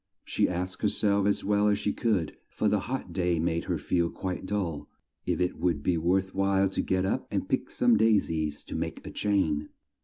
She asked her self as well as she could, for the hot day made her feel quite dull, if it would be worth while to get up and pick some dai sies to make a chain.